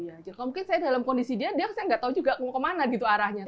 iya kalau mungkin saya dalam kondisi dia dia saya nggak tahu juga mau kemana gitu arahnya